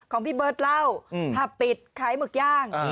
พี่เบิร์ตเล่าผับปิดขายหมึกย่าง